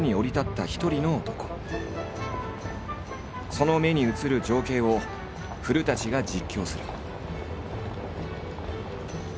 その目に映る情景を古が実況する。